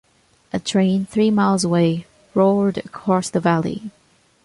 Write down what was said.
A train, three miles away, roared across the valley.